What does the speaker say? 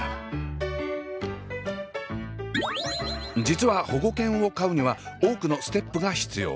実は保護犬を飼うには多くのステップが必要。